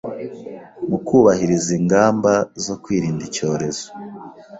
mu kubahiriza ingamba zo kwirinda icyorezo